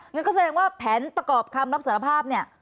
งั้นก็แสดงว่าแผนประกอบคำรับสารภาพเนี่ย